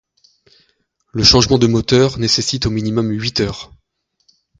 Le changement de moteur nécessite au minimum huit heures.